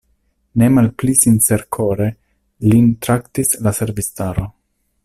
Ne malpli sincerkore lin traktis la servistaro.